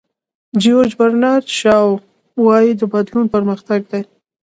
جیورج برنارد شاو وایي بدلون پرمختګ دی.